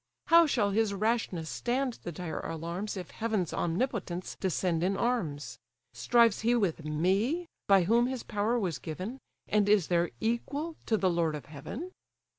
How shall his rashness stand the dire alarms, If heaven's omnipotence descend in arms? Strives he with me, by whom his power was given, And is there equal to the lord of heaven?"